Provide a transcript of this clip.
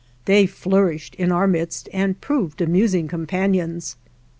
They flourished in our midst and proved amusing companions.